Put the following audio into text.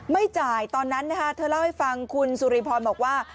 ไม่จ่ายตอนนั้นนะคะเธอเล่าให้ฟังคุณสุริพรบอกว่า